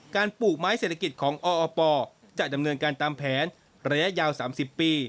ปลูกไม้เศรษฐกิจของออปจะดำเนินการตามแผนระยะยาว๓๐ปี